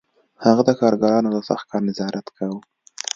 هغه د کارګرانو د سخت کار نظارت کاوه